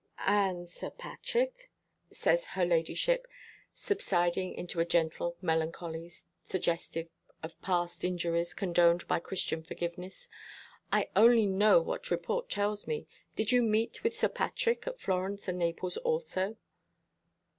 "And Sir Patrick?" says her ladyship, subsiding into a gentle melancholy, suggestive of past injuries condoned by Christian forgiveness. "I only know what report tells me. Did you meet with Sir Patrick at Florence and Naples, also?"